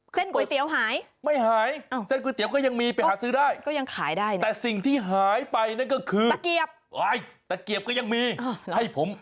ก๋วยเตี๋ยวหายไม่หายเส้นก๋วยเตี๋ยก็ยังมีไปหาซื้อได้ก็ยังขายได้นะแต่สิ่งที่หายไปนั่นก็คือตะเกียบตะเกียบก็ยังมีให้ผม